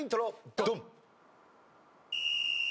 ドン！